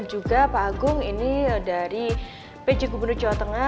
juga pak agung ini dari pj gubernur jawa tengah